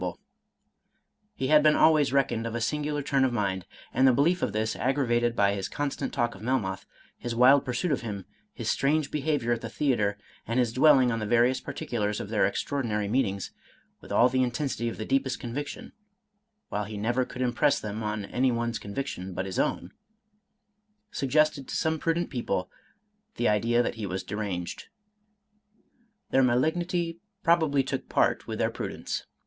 185 Irish Mystery Stories He had been always reckoned of a singular turn of mind, and the belief of this, aggravated by his constant talk of Melmoth, his wild pursuit of him, his strange behavior at the theater, and his dwelling on the various particulars of their extraordinary meetings, with all the intensity of the deepest conviction (while he never could impress them on any one's conviction but his own), suggested to some pru dent people the idea that he was deranged. Their malig nity probably took part with their prudence.